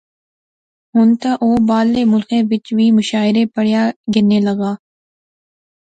ہن تہ او باہرلے ملخیں وچ وی مشاعرے پڑھیا گینے لاغا